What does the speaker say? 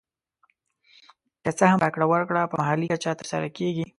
که څه هم راکړه ورکړه په محلي کچه تر سره کېږي